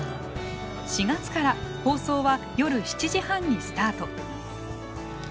４月から放送は夜７時半にスタート。